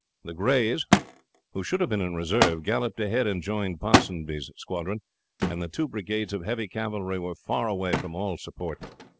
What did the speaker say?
The Greys, who should have been in reserve, galloped ahead and joined Ponsonby's squadrons, and the two brigades of heavy cavalry were far away from all support.